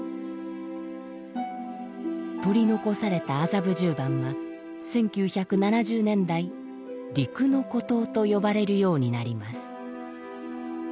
取り残された麻布十番は１９７０年代「陸の孤島」と呼ばれるようになります。